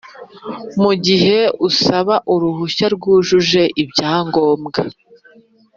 mugihe usaba uruhushya yujuje ibyangombwa,